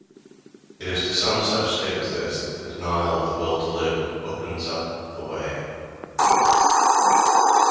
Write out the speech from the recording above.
It is to some such state as this that the denial of the will to live opens up the way.